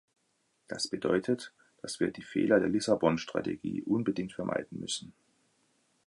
Das bedeutet, dass wir die Fehler der Lissabon-Strategie unbedingt vermeiden müssen.